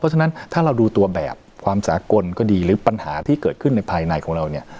ฉะนั้นถ้าเราดูตัวแบบความสากลก็ดีหรือปัญหาที่เกิดขึ้นในภายในของเราเนี่ย